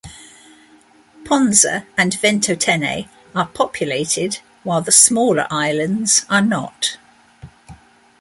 Ponza and Ventotene are populated, while the smaller islands are not.